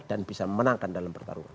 dan bisa menangkan dalam pertarungan